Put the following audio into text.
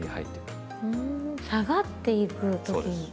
ふん下がっていく時に。